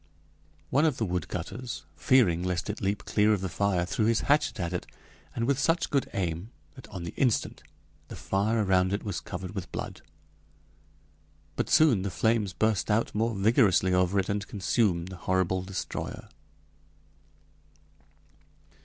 One of the woodcutters, fearing lest it leap clear of the fire, threw his hatchet at it, and with such good aim that on the instant the fire around it was covered with blood. But soon the flames burst out more vigorously over it and consumed the horrible destroyer.